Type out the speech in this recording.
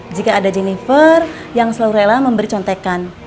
jika ada jennifer yang selalu rela memberi contekan